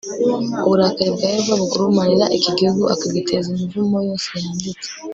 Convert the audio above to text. uburakari bwa yehova bugurumanira iki gihugu akagiteza imivumo yose yanditse